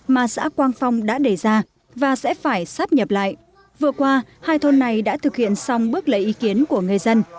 mà xã quang phong đã đề ra và sẽ phải sắp nhập lại vừa qua hai thôn này đã thực hiện xong bước lấy ý kiến của người dân